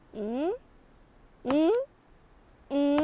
うん？